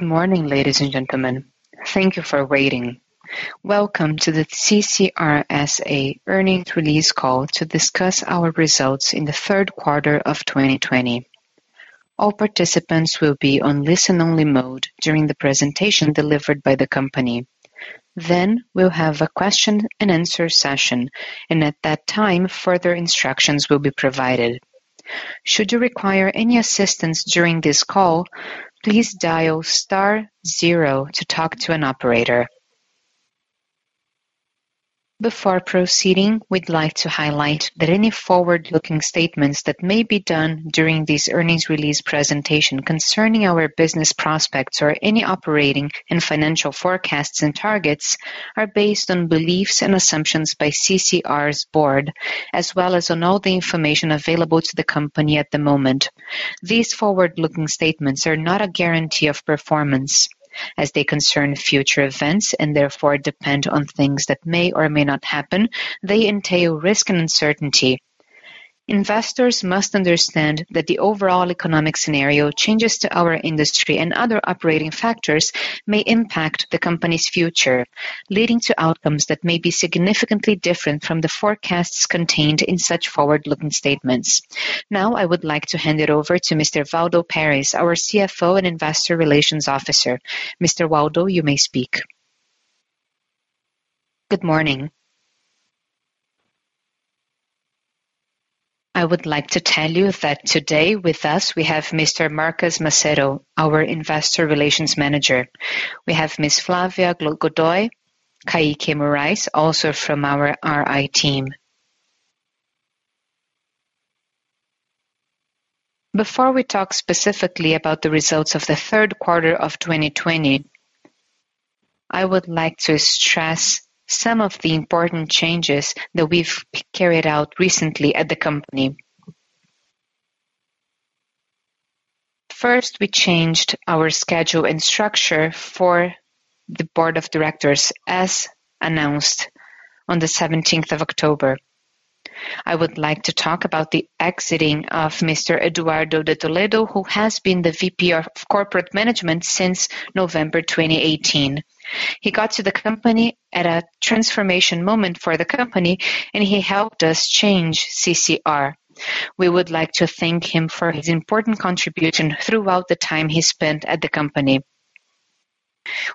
Good morning, ladies and gentlemen. Thank you for waiting. Welcome to the CCR S.A. earnings release call to discuss our results in the third quarter of 2020. All participants will be on listen-only mode during the presentation delivered by the company. We'll have a question and answer session, and at that time, further instructions will be provided. Should you require any assistance during this call, please dial star zero to talk to an operator. Before proceeding, we'd like to highlight that any forward-looking statements that may be done during this earnings release presentation concerning our business prospects or any operating and financial forecasts and targets are based on beliefs and assumptions by CCR S.A. board, as well as on all the information available to the company at the moment. These forward-looking statements are not a guarantee of performance as they concern future events and therefore depend on things that may or may not happen. They entail risk and uncertainty. Investors must understand that the overall economic scenario, changes to our industry, and other operating factors may impact the company's future, leading to outcomes that may be significantly different from the forecasts contained in such forward-looking statements. Now, I would like to hand it over to Mr. Waldo Perez, our CFO and Investor Relations Officer. Mr. Waldo, you may speak. Good morning. I would like to tell you that today with us we have Mr. Marcus Macedo, our Investor Relations Manager. We have Ms. Flávia Godoy, Caíque Moraes, also from our RI team. Before we talk specifically about the results of the third quarter of 2020, I would like to stress some of the important changes that we've carried out recently at the company. First, we changed our schedule and structure for the board of directors, as announced on the 17th of October. I would like to talk about the exiting of Mr. Eduardo de Toledo, who has been the VP of Corporate Management since November 2018. He got to the company at a transformation moment for the company, and he helped us change CCR. We would like to thank him for his important contribution throughout the time he spent at the company.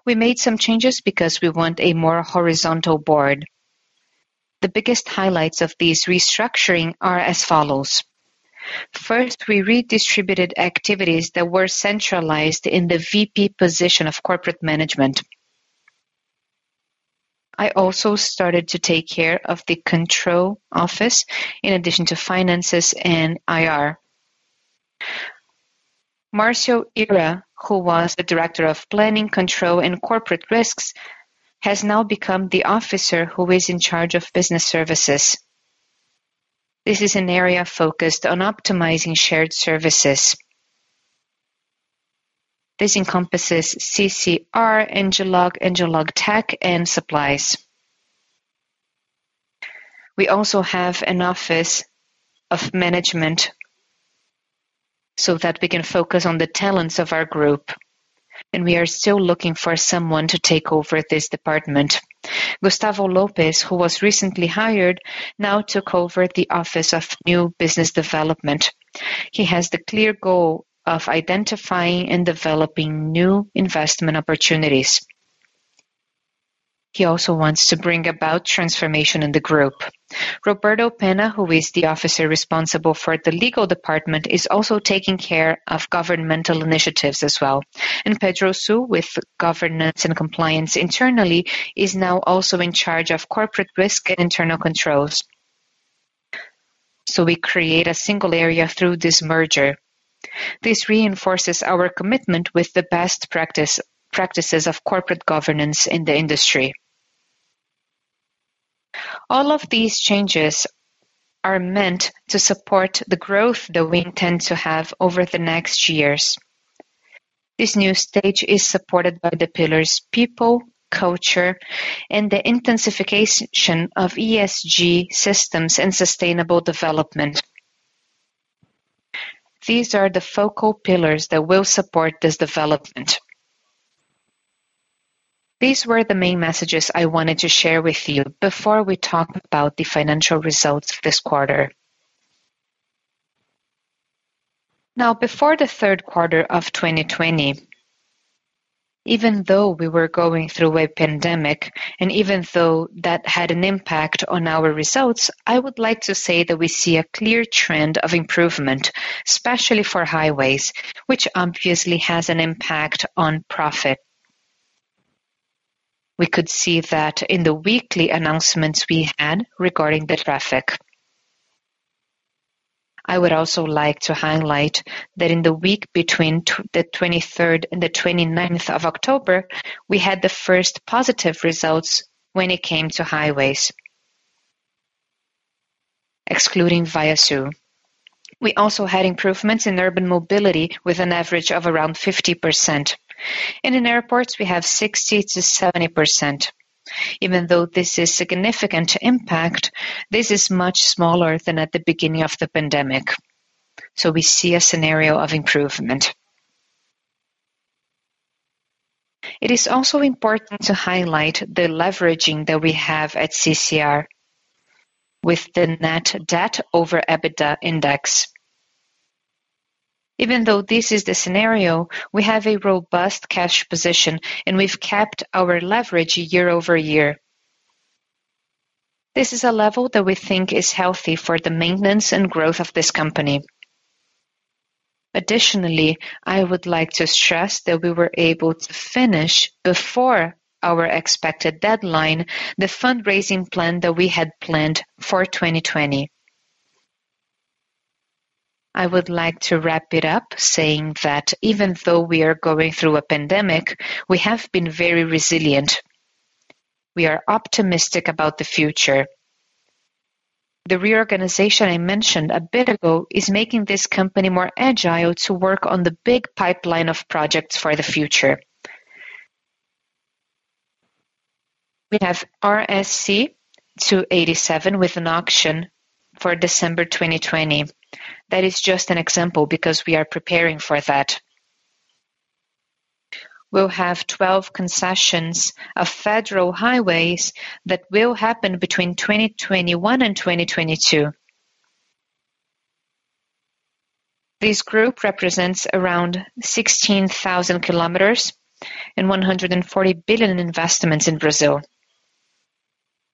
We made some changes because we want a more horizontal board. The biggest highlights of this restructuring are as follows. First, we redistributed activities that were centralized in the VP position of Corporate Management. I also started to take care of the control office in addition to finances and IR. Marcio Ira, who was the Director of Planning, Control, and Corporate Risks, has now become the officer who is in charge of business services. This is an area focused on optimizing shared services. This encompasses CCR, Engelog, EngelogTec, and supplies. We also have an office of management so that we can focus on the talents of our group, and we are still looking for someone to take over this department. Gustavo Lopes, who was recently hired, now took over the office of new business development. He has the clear goal of identifying and developing new investment opportunities. He also wants to bring about transformation in the group. Roberto Penna, who is the officer responsible for the legal department, is also taking care of governmental initiatives as well. Pedro Sutter, with governance and compliance internally, is now also in charge of corporate risk and internal controls. We create a single area through this merger. This reinforces our commitment with the best practices of corporate governance in the industry. All of these changes are meant to support the growth that we intend to have over the next years. This new stage is supported by the pillars people, culture, and the intensification of ESG systems and sustainable development. These are the focal pillars that will support this development. These were the main messages I wanted to share with you before we talk about the financial results this quarter. Before the third quarter of 2020, even though we were going through a pandemic, and even though that had an impact on our results, I would like to say that we see a clear trend of improvement, especially for highways, which obviously has an impact on profit. We could see that in the weekly announcements we had regarding the traffic. I would also like to highlight that in the week between the 23rd and the 29th of October, we had the first positive results when it came to highways, excluding ViaSul. We also had improvements in urban mobility with an average of around 50%. In airports, we have 60%-70%. Even though this is significant impact, this is much smaller than at the beginning of the pandemic. We see a scenario of improvement. It is also important to highlight the leveraging that we have at CCR with the net debt over EBITDA index. Even though this is the scenario, we have a robust cash position, and we've kept our leverage year-over-year. This is a level that we think is healthy for the maintenance and growth of this company. Additionally, I would like to stress that we were able to finish before our expected deadline, the fundraising plan that we had planned for 2020. I would like to wrap it up saying that even though we are going through a pandemic, we have been very resilient. We are optimistic about the future. The reorganization I mentioned a bit ago is making this company more agile to work on the big pipeline of projects for the future. We have RSC-287 with an auction for December 2020. That is just an example because we are preparing for that. We'll have 12 concessions of federal highways that will happen between 2021 and 2022. This group represents around 16,000 km and 140 billion investments in Brazil.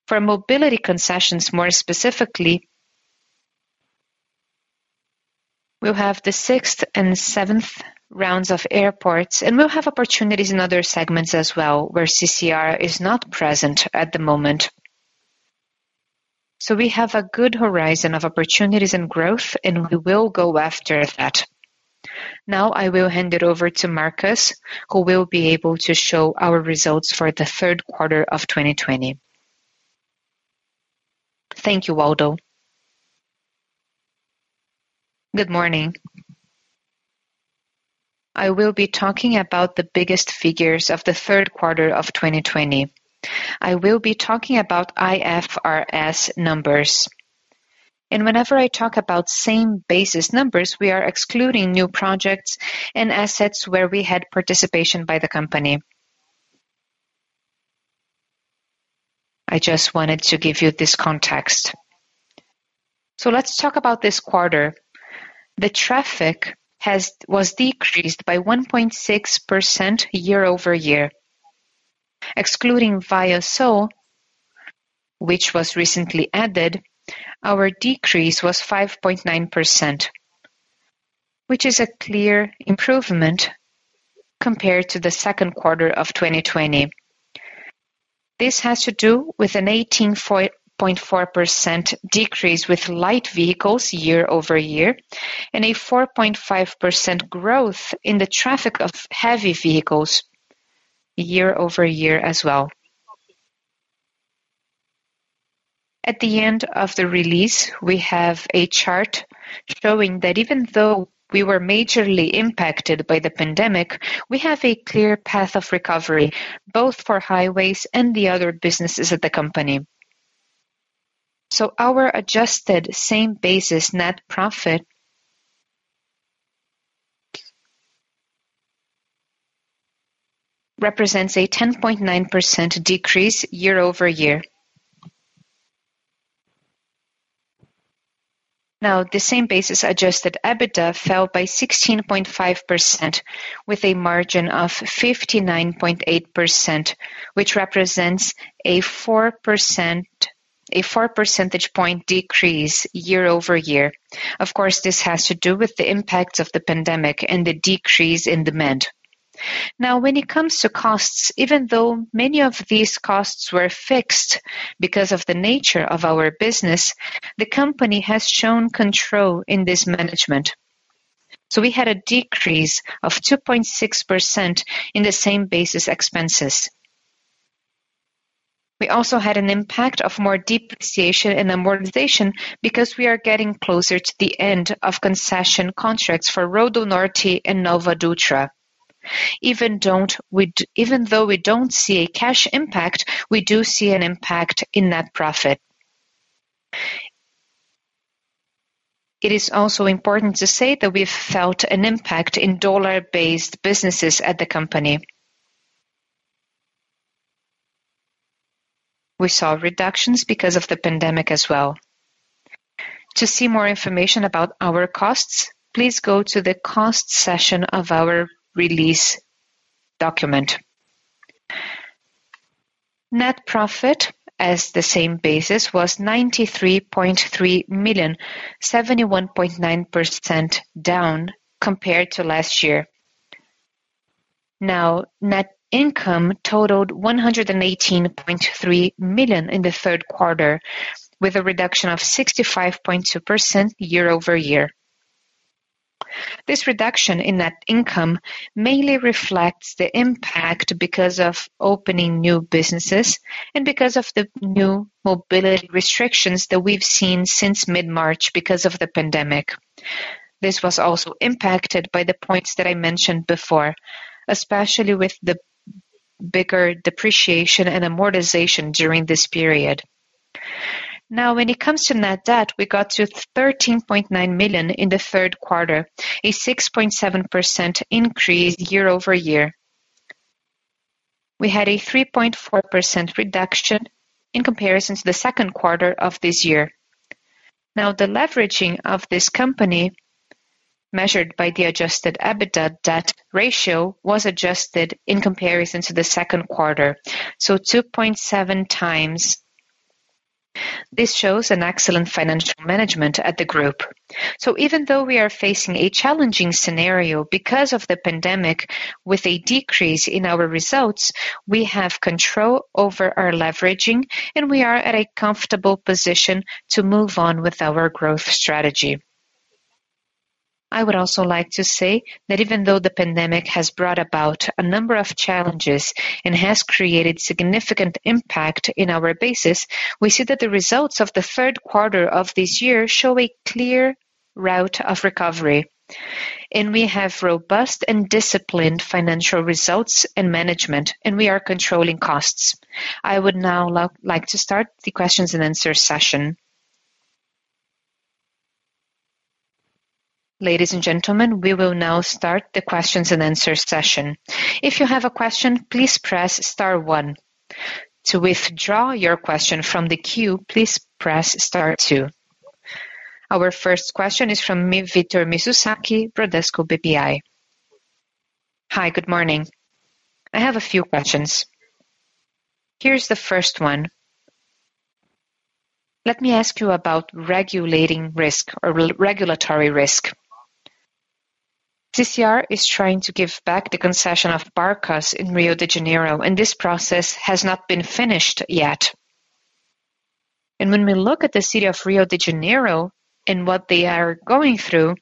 For mobility concessions, more specifically, we'll have the sixth and seventh rounds of airports, and we'll have opportunities in other segments as well where CCR is not present at the moment. We have a good horizon of opportunities and growth, we will go after that. Now I will hand it over to Marcus, who will be able to show our results for the third quarter of 2020. Thank you, Waldo. Good morning. I will be talking about the biggest figures of the third quarter of 2020. I will be talking about IFRS numbers. Whenever I talk about same-basis numbers, we are excluding new projects and assets where we had participation by the company. I just wanted to give you this context. Let's talk about this quarter. The traffic was decreased by 1.6% year-over-year. Excluding ViaSul, which was recently added, our decrease was 5.9%, which is a clear improvement compared to the second quarter of 2020. This has to do with an 18.4% decrease with light vehicles year-over-year and a 4.5% growth in the traffic of heavy vehicles year-over-year as well. At the end of the release, we have a chart showing that even though we were majorly impacted by the pandemic, we have a clear path of recovery, both for highways and the other businesses at the company. Our adjusted same-basis net profit represents a 10.9% decrease year-over-year. The same basis adjusted EBITDA fell by 16.5% with a margin of 59.8%, which represents a four percentage point decrease year-over-year. Of course, this has to do with the impact of the pandemic and the decrease in demand. When it comes to costs, even though many of these costs were fixed because of the nature of our business, the company has shown control in this management. We had a decrease of 2.6% in the same basis expenses. We also had an impact of more depreciation and amortization because we are getting closer to the end of concession contracts for RodoNorte and NovaDutra. Even though we don't see a cash impact, we do see an impact in net profit. It is also important to say that we've felt an impact in dollar-based businesses at the company. We saw reductions because of the pandemic as well. To see more information about our costs, please go to the cost section of our release document. Net profit as the same basis was 93.3 million, 71.9% down compared to last year. Net income totaled 118.3 million in the third quarter, with a reduction of 65.2% year-over-year. This reduction in net income mainly reflects the impact because of opening new businesses and because of the new mobility restrictions that we've seen since mid-March because of the pandemic. This was also impacted by the points that I mentioned before, especially with the bigger depreciation and amortization during this period. When it comes to net debt, we got to 13.9 million in the third quarter, a 6.7% increase year-over-year. We had a 3.4% reduction in comparison to the second quarter of this year. The leveraging of this company, measured by the adjusted EBITDA debt ratio, was adjusted in comparison to the second quarter, 2.7 times. This shows an excellent financial management at the group. Even though we are facing a challenging scenario because of the pandemic, with a decrease in our results, we have control over our leveraging, and we are at a comfortable position to move on with our growth strategy. I would also like to say that even though the pandemic has brought about a number of challenges and has created significant impact in our basis, we see that the results of the third quarter of this year show a clear route of recovery, and we have robust and disciplined financial results and management, and we are controlling costs. I would now like to start the questions and answers session. Ladies and gentlemen, we will now start the questions and answer session. If you have a question, please press star one to withdraw your question from the queue. Please press star two. Our first question is from Victor Mizusaki, Bradesco BBI. Hi, good morning. I have a few questions. Here's the first one. Let me ask you about regulating risk or regulatory risk. CCR is trying to give back the concession of Barcas in Rio de Janeiro, and this process has not been finished yet. When we look at the city of Rio de Janeiro and what they are going through,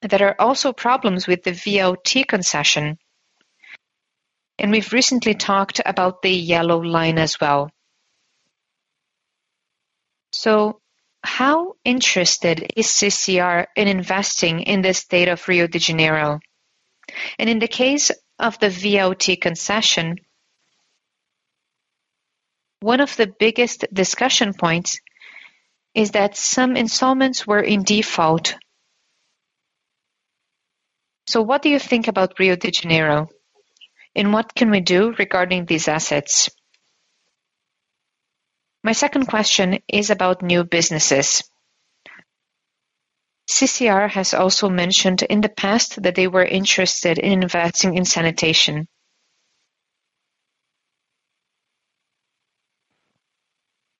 there are also problems with the VLT concession, and we've recently talked about the Linha Amarela as well. How interested is CCR in investing in the state of Rio de Janeiro? In the case of the VLT concession, one of the biggest discussion points is that some installments were in default. What do you think about Rio de Janeiro, and what can we do regarding these assets? My second question is about new businesses. CCR has also mentioned in the past that they were interested in investing in sanitation.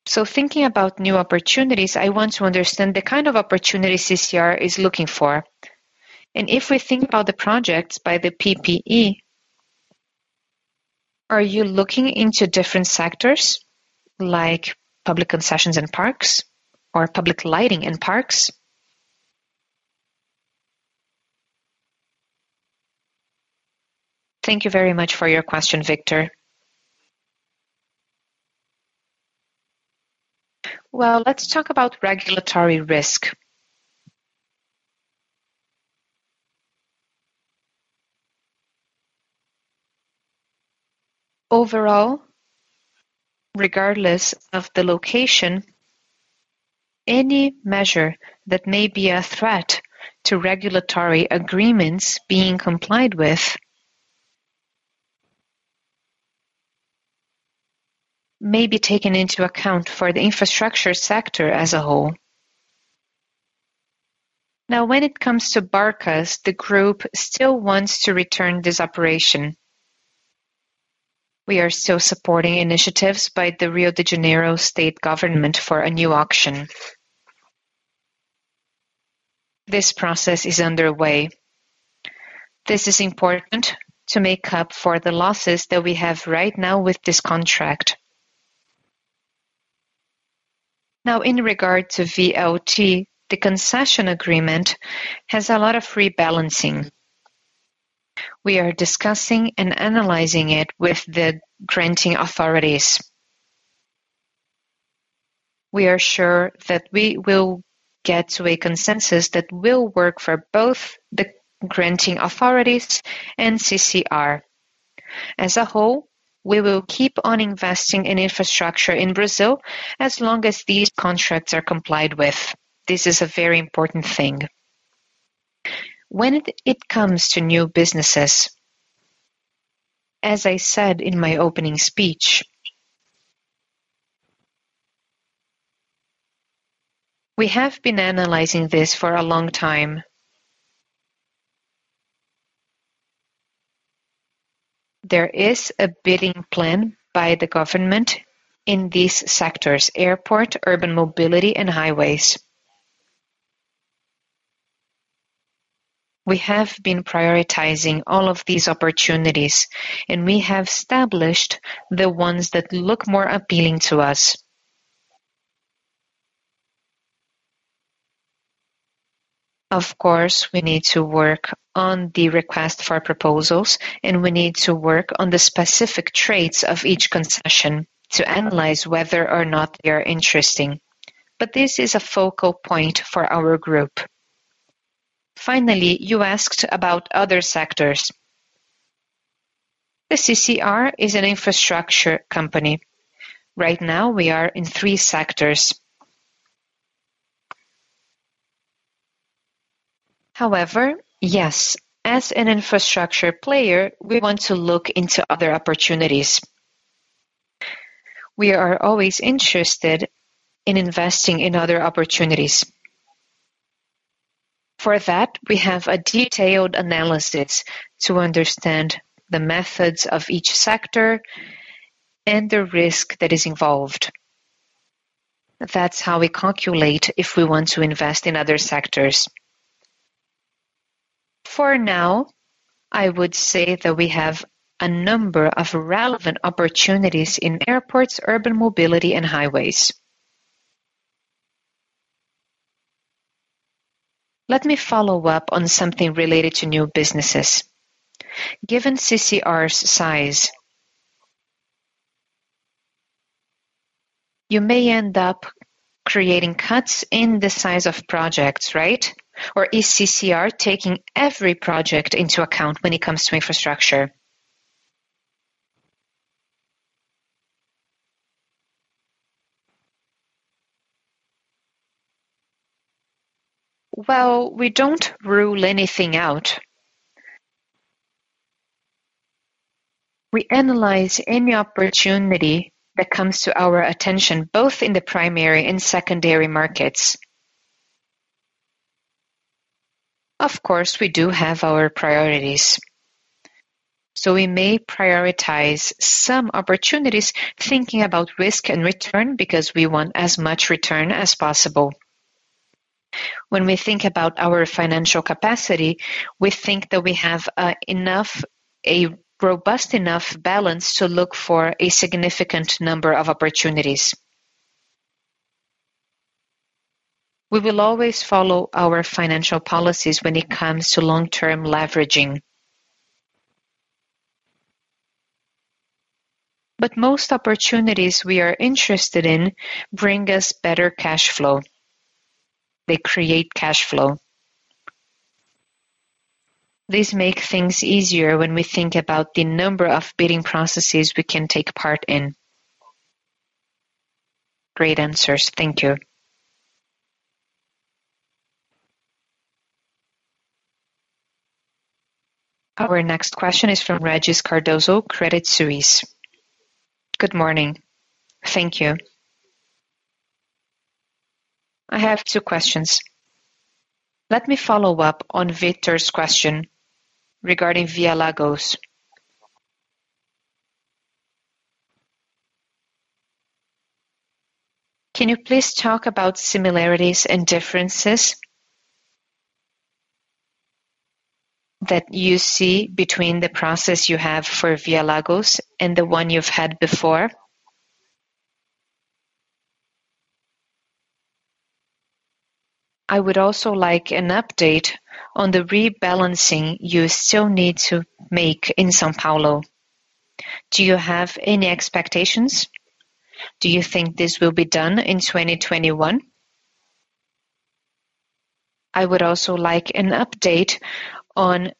Thinking about new opportunities, I want to understand the kind of opportunities CCR is looking for. If we think about the projects by the PPI, are you looking into different sectors like public concessions in parks or public lighting in parks? Thank you very much for your question, Victor. Let's talk about regulatory risk. Overall, regardless of the location, any measure that may be a threat to regulatory agreements being complied with may be taken into account for the infrastructure sector as a whole. When it comes to Barcas, the group still wants to return this operation. We are still supporting initiatives by the Rio de Janeiro state government for a new auction. This process is underway. This is important to make up for the losses that we have right now with this contract. In regard to VLT, the concession agreement has a lot of rebalancing. We are discussing and analyzing it with the granting authorities. We are sure that we will get to a consensus that will work for both the granting authorities and CCR. As a whole, we will keep on investing in infrastructure in Brazil as long as these contracts are complied with. This is a very important thing. When it comes to new businesses, as I said in my opening speech, we have been analyzing this for a long time. There is a bidding plan by the government in these sectors: airport, urban mobility, and highways. We have been prioritizing all of these opportunities, and we have established the ones that look more appealing to us. Of course, we need to work on the request for proposals, and we need to work on the specific traits of each concession to analyze whether or not they are interesting. This is a focal point for our group. Finally, you asked about other sectors. The CCR is an infrastructure company. Right now we are in three sectors. Yes, as an infrastructure player, we want to look into other opportunities. We are always interested in investing in other opportunities. For that, we have a detailed analysis to understand the methods of each sector and the risk that is involved. That's how we calculate if we want to invest in other sectors. For now, I would say that we have a number of relevant opportunities in airports, urban mobility and highways. Let me follow up on something related to new businesses. Given CCR's size, you may end up creating cuts in the size of projects, right? Is CCR taking every project into account when it comes to infrastructure? Well, we don't rule anything out. We analyze any opportunity that comes to our attention, both in the primary and secondary markets. Of course, we do have our priorities. We may prioritize some opportunities thinking about risk and return because we want as much return as possible. When we think about our financial capacity, we think that we have a robust enough balance to look for a significant number of opportunities. We will always follow our financial policies when it comes to long-term leveraging. Most opportunities we are interested in bring us better cash flow. They create cash flow. These make things easier when we think about the number of bidding processes we can take part in. Great answers. Thank you. Our next question is from Regis Cardoso, Credit Suisse. Good morning. Thank you. I have two questions. Let me follow up on Victor's question regarding ViaLagos. Can you please talk about similarities and differences that you see between the process you have for ViaLagos and the one you've had before? I would also like an update on the rebalancing you still need to make in São Paulo. Do you have any expectations? Do you think this will be done in 2021? I would also like an update on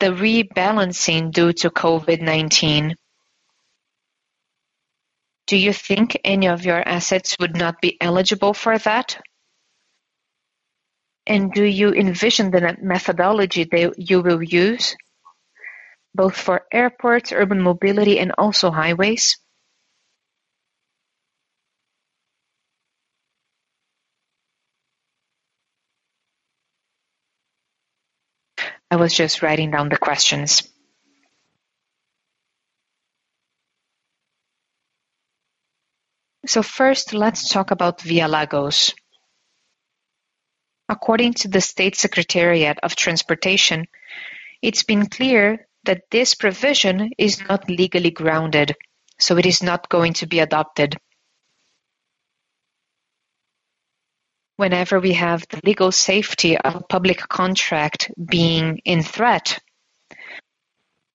the rebalancing due to COVID-19. Do you think any of your assets would not be eligible for that? Do you envision the methodology that you will use both for airports, urban mobility, and also highways? I was just writing down the questions. First, let's talk about ViaLagos. According to the State Secretariat of Transportation, it's been clear that this provision is not legally grounded, so it is not going to be adopted. Whenever we have the legal safety of a public contract being in threat,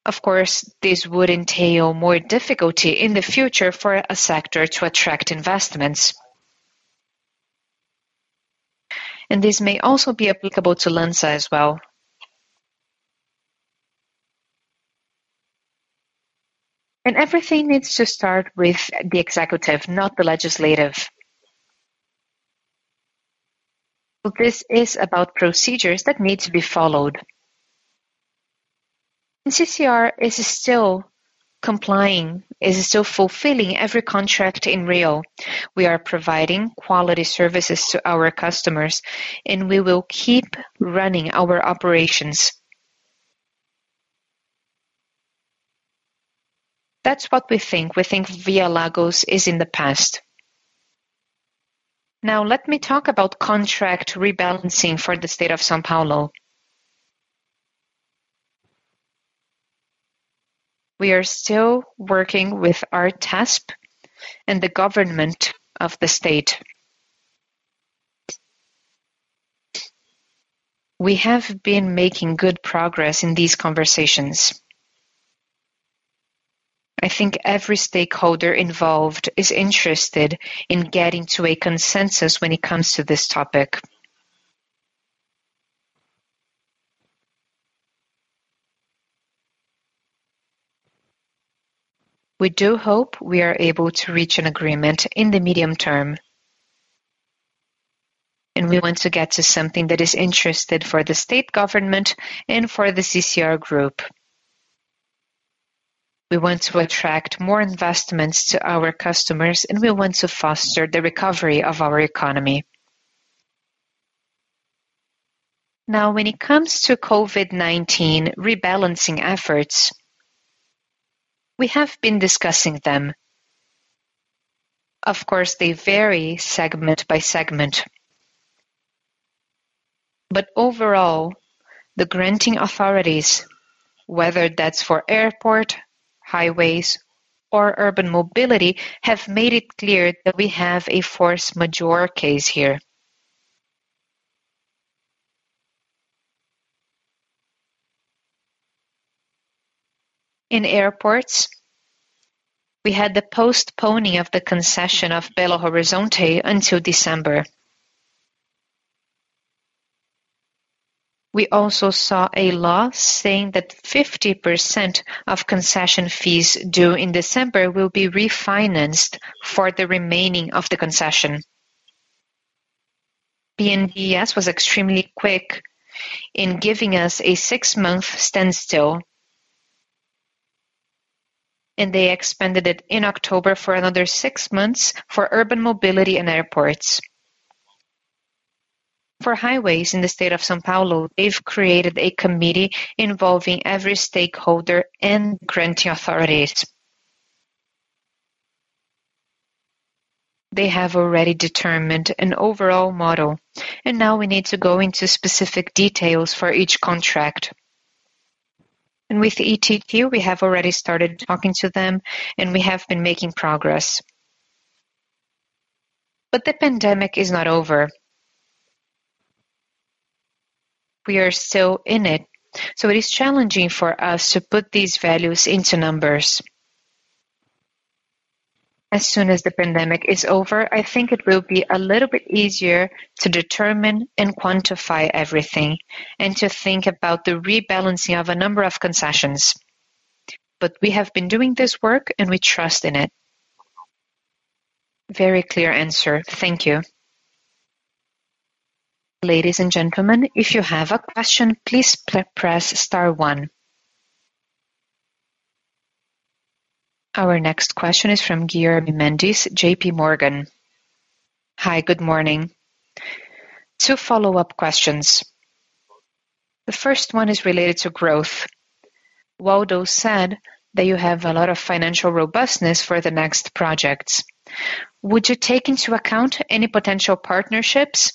of course, this would entail more difficulty in the future for a sector to attract investments. This may also be applicable to LAMSA as well. Everything needs to start with the executive, not the legislative. This is about procedures that need to be followed. CCR is still complying, is still fulfilling every contract in Rio. We are providing quality services to our customers, and we will keep running our operations. That's what we think. We think ViaLagos is in the past. Let me talk about contract rebalancing for the State of São Paulo. We are still working with ARTESP and the government of the State. We have been making good progress in these conversations. I think every stakeholder involved is interested in getting to a consensus when it comes to this topic. We do hope we are able to reach an agreement in the medium term. We want to get to something that is interesting for the State government and for the CCR Group. We want to attract more investments to our customers, and we want to foster the recovery of our economy. When it comes to COVID-19 rebalancing efforts, we have been discussing them. Of course, they vary segment by segment. Overall, the granting authorities, whether that's for airport, highways, or urban mobility, have made it clear that we have a force majeure case here. In airports, we had the postponing of the concession of Belo Horizonte until December. We also saw a law saying that 50% of concession fees due in December will be refinanced for the remaining of the concession. BNDES was extremely quick in giving us a six-month standstill, and they extended it in October for another six months for urban mobility and airports. For highways in the state of São Paulo, they've created a committee involving every stakeholder and granting authorities. They have already determined an overall model, and now we need to go into specific details for each contract. With ANTT, we have already started talking to them, and we have been making progress. The pandemic is not over. We are still in it. It is challenging for us to put these values into numbers. As soon as the pandemic is over, I think it will be a little bit easier to determine and quantify everything and to think about the rebalancing of a number of concessions. We have been doing this work, and we trust in it. Very clear answer. Thank you. Ladies and gentlemen, if you have a question, please press star one. Our next question is from Guilherme Mendes, JPMorgan. Hi, good morning. Two follow-up questions. The first one is related to growth. Waldo said that you have a lot of financial robustness for the next projects. Would you take into account any potential partnerships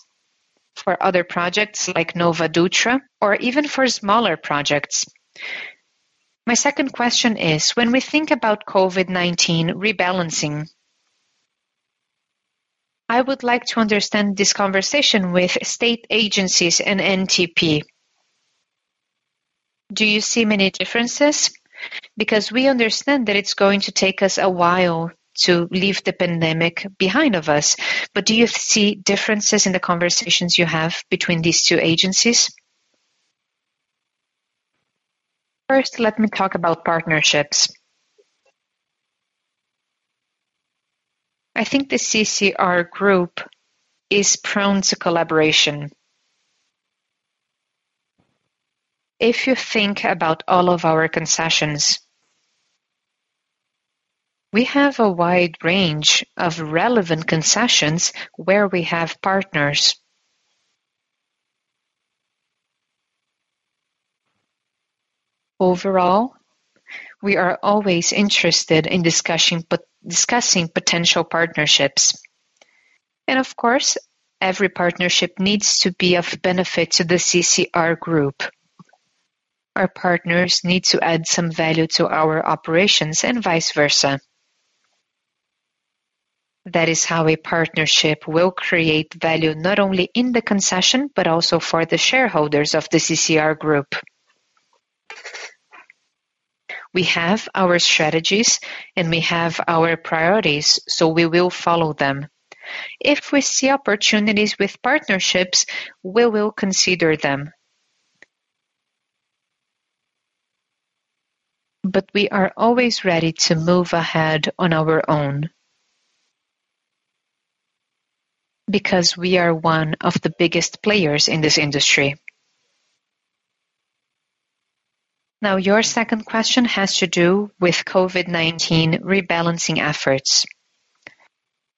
for other projects like NovaDutra or even for smaller projects? My second question is, when we think about COVID-19 rebalancing, I would like to understand this conversation with state agencies and ANTT. Do you see many differences? We understand that it's going to take us a while to leave the pandemic behind of us. Do you see differences in the conversations you have between these two agencies? First, let me talk about partnerships. I think the CCR Group is prone to collaboration. If you think about all of our concessions, we have a wide range of relevant concessions where we have partners. Overall, we are always interested in discussing potential partnerships. Of course, every partnership needs to be of benefit to the CCR Group. Our partners need to add some value to our operations and vice versa. That is how a partnership will create value not only in the concession, but also for the shareholders of the CCR Group. We have our strategies, and we have our priorities, so we will follow them. If we see opportunities with partnerships, we will consider them. We are always ready to move ahead on our own, because we are one of the biggest players in this industry. Now, your second question has to do with COVID-19 rebalancing efforts.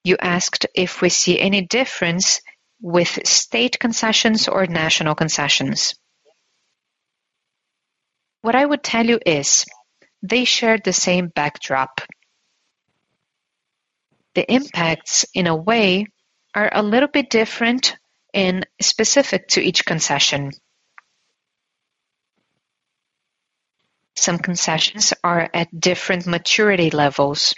You asked if we see any difference with state concessions or national concessions. What I would tell you is they share the same backdrop. The impacts, in a way, are a little bit different and specific to each concession. Some concessions are at different maturity levels.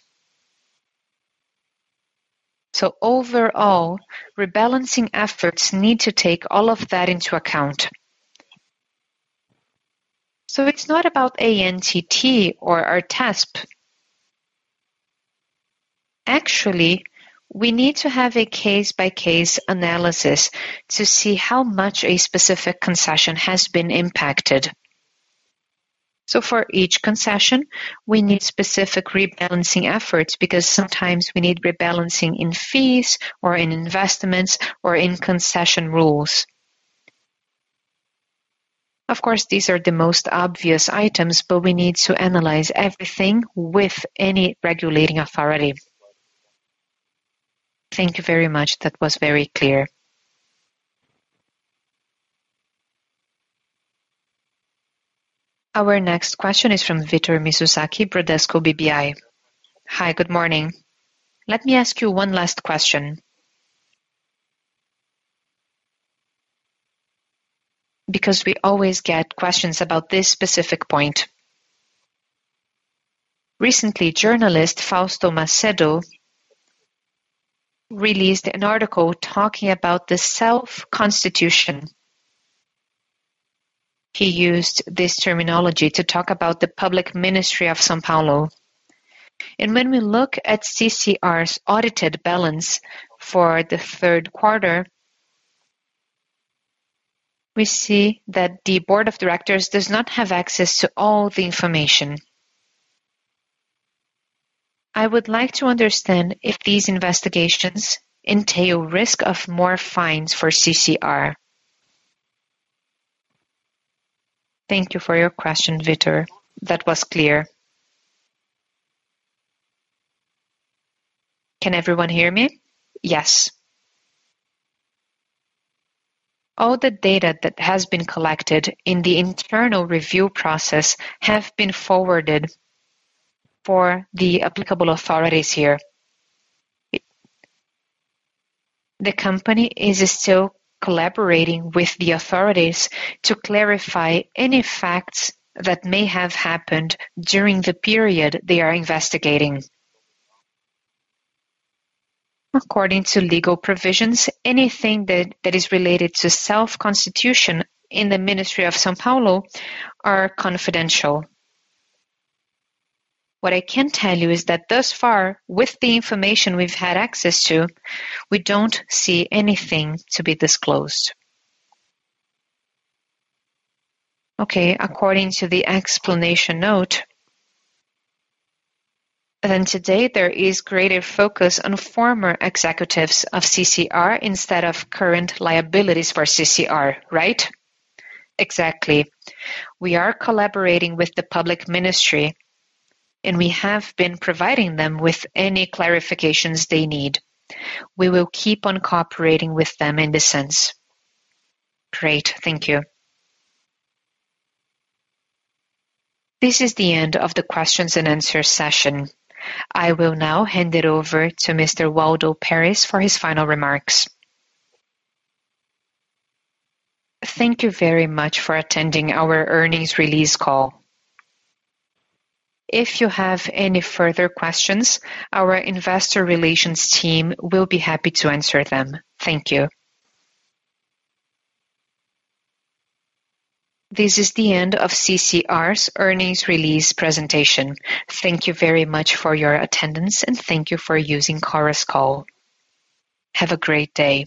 Overall, rebalancing efforts need to take all of that into account. It's not about ANTT or ARTESP. Actually, we need to have a case-by-case analysis to see how much a specific concession has been impacted. For each concession, we need specific rebalancing efforts because sometimes we need rebalancing in fees or in investments or in concession rules. Of course, these are the most obvious items, but we need to analyze everything with any regulating authority. Thank you very much. That was very clear. Our next question is from Victor Mizusaki, Bradesco BBI. Hi, good morning. Let me ask you one last question, because we always get questions about this specific point. Recently, journalist Fausto Macedo released an article talking about the auto de constatação. He used this terminology to talk about the Ministério Público do Estado de São Paulo. When we look at CCR's audited balance for the third quarter, we see that the board of directors does not have access to all the information. I would like to understand if these investigations entail risk of more fines for CCR. Thank you for your question, Victor. That was clear. Can everyone hear me? Yes. All the data that has been collected in the internal review process have been forwarded for the applicable authorities here. The company is still collaborating with the authorities to clarify any facts that may have happened during the period they are investigating. According to legal provisions, anything that is related to self-constitution in the Ministry of São Paulo are confidential. What I can tell you is that thus far, with the information we've had access to, we don't see anything to be disclosed. Okay, according to the explanation note, then today there is greater focus on former executives of CCR instead of current liabilities for CCR, right? Exactly. We are collaborating with the Public Ministry, and we have been providing them with any clarifications they need. We will keep on cooperating with them in this sense. Great. Thank you. This is the end of the questions and answers session. I will now hand it over to Mr. Waldo Perez for his final remarks. Thank you very much for attending our earnings release call. If you have any further questions, our investor relations team will be happy to answer them. Thank you. This is the end of CCR's earnings release presentation. Thank you very much for your attendance and thank you for using Chorus Call. Have a great day.